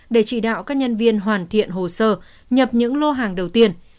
để chỉ đạo các nhân viên hoàn thiện hồ sơ nhập những lô hàng đầu tiên